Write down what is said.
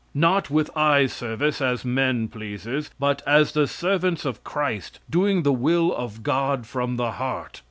"Not with eye service, as men pleasers; but as the servants of Christ, doing the will of God from the heart."